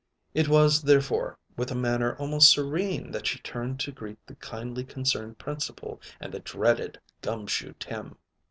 It was, therefore, with a manner almost serene that she turned to greet the kindly concerned Principal and the dreaded "Gum Shoe Tim."